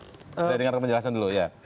saya dengar penjelasan dulu ya